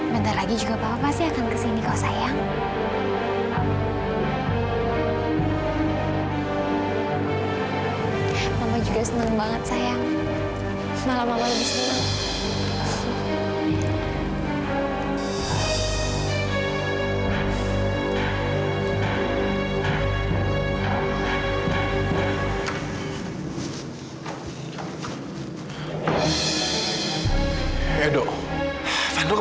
bentar lagi juga papa pasti akan kesini kok sayang